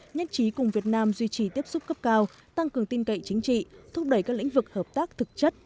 nhất trí cùng việt nam duy trì tiếp xúc cấp cao tăng cường tin cậy chính trị thúc đẩy các lĩnh vực hợp tác thực chất